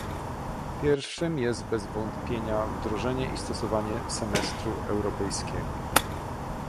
Pierwszym jest bez wątpienia wdrożenie i stosowanie semestru europejskiego